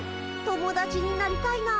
友だちになりたいな。